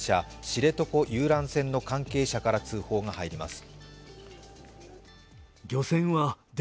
知床遊覧船の関係者から通報が入ります。